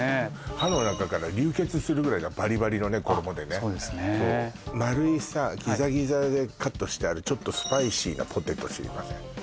歯の中から流血するぐらいバリバリの衣でね丸いさギザギザでカットしてあるちょっとスパイシーなポテト知りません？